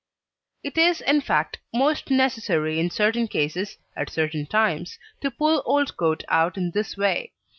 It is in fact most necessary in certain cases, at certain times, to pull old coat out in this way.